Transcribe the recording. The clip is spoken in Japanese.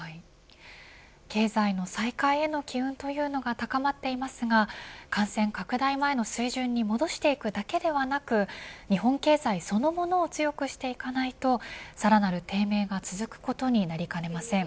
経済の再開への機運というのが高まっていますが感染拡大前の水準に戻していくだけではなく日本経済そのものを強くしていかないとさらなる低迷が続くことになりかねません。